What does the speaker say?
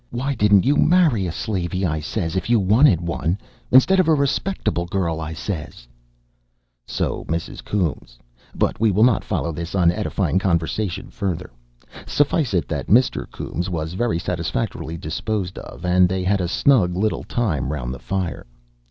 Why didn't you marry a slavey?' I says, 'if you wanted one instead of a respectable girl,' I says." So Mrs. Coombes. But we will not follow this unedifying conversation further. Suffice it that Mr. Coombes was very satisfactorily disposed of, and they had a snug little time round the fire.